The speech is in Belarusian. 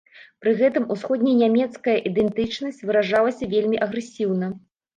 Пры гэтым усходненямецкая ідэнтычнасць выражалася вельмі агрэсіўна.